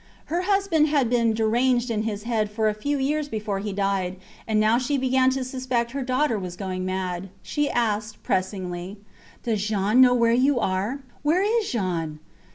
Her husband had been deranged in his head for a few years before he died, and now she began to suspect her daughter was going mad. She asked, pressingly Does Jean know where you are? Where is Jean?